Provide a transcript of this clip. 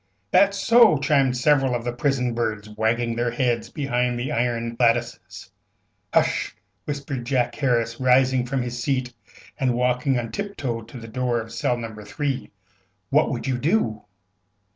"That's so!" chimed several of the prison birds, wagging their heads behind the iron lattices. "Hush!" whispered Jack Harris, rising from his seat and walking on tip toe to the door of cell No. 3. "What would you do?"